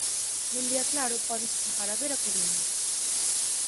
Nun día claro pódese chegar a ver A Coruña.